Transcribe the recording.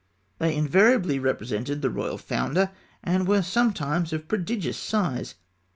They invariably represented the royal founder, and were sometimes of prodigious size.